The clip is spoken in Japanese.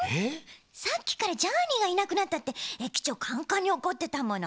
さっきから「ジャーニーがいなくなった」ってえきちょうカンカンにおこってたもの。